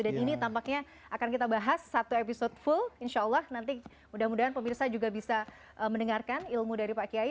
dan ini tampaknya akan kita bahas satu episode full insya allah nanti mudah mudahan pemirsa juga bisa mendengarkan ilmu dari pak kiai